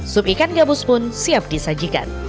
sup ikan gabus pun siap disajikan